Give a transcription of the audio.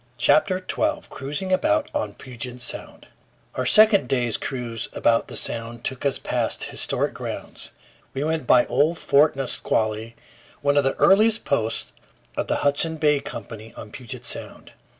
] CHAPTER TWELVE CRUISING ABOUT ON PUGET SOUND OUR second day's cruise about the Sound took us past historic grounds. We went by old Fort Nisqually, one of the earliest posts of the Hudson's Bay Company on Puget Sound.